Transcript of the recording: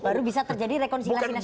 baru bisa terjadi rekonsiliasi nasional